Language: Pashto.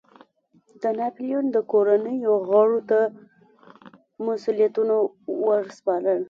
د ناپلیون د کورنیو غړو ته مسوولیتونو ور سپارل.